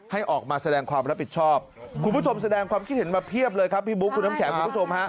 ให้ออกมาแสดงความรับผิดชอบคุณผู้ชมแสดงความคิดเห็นมาเพียบเลยครับพี่บุ๊คคุณน้ำแข็งคุณผู้ชมฮะ